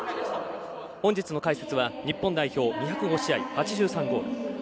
本日の解説は日本代表２０５試合８３ゴール